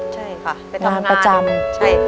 ใช่ค่ะไปทำงานประจำใช่ค่ะ